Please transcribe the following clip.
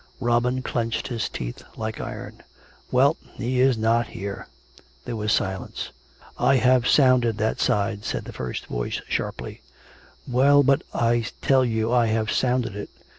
(Robin clenched his teeth like iron.) " Well, he is not here." There was silence. " I have sounded that side," said the first voice sharply. " Well, but "" I tell you I have sounded it.